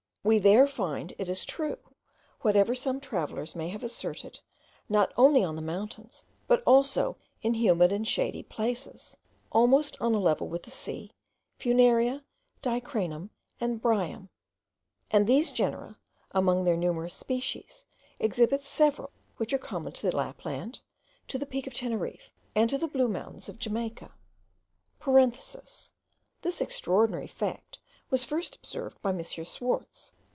We there find, it is true, whatever some travellers may have asserted, not only on the mountains, but also in humid and shady places, almost on a level with the sea, Funaria, Dicranum, and Bryum; and these genera, among their numerous species, exhibit several which are common to Lapland, to the Peak of Teneriffe, and to the Blue Mountains of Jamaica. (This extraordinary fact was first observed by M. Swarz.